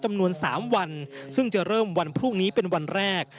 จำนวน๓วันซึ่งจะเริ่มวันพรุ่งนี้เป็นวันแรก